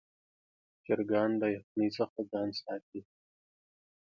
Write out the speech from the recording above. چرګان له یخنۍ څخه ځان ساتي.